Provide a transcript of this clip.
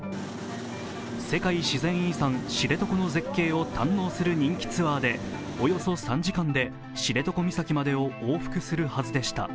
世界自然遺産・知床の絶景を堪能する人気ツアーでおよそ３時間で知床岬までを往復するはずでした。